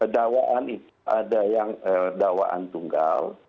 dawaan itu ada yang dawaan tunggal